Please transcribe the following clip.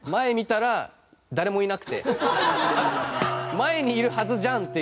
前にいるはずじゃん！っていう。